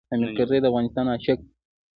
حامد کرزی د افغانستان عاشق دی.